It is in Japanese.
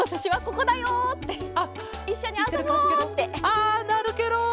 あなるケロ。